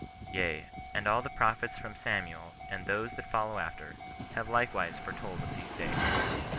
Yea, and all the prophets from Samuel, and those that follow after, have likewise foretold of these days."